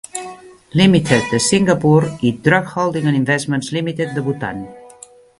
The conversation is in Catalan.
Limited, de Singapur, i Druk Holding and Investments Limited, de Bhutan.